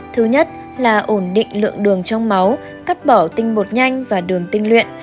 thứ nhất là ổn định lượng đường trong máu cắt bỏ tinh bột nhanh và đường tinh luyện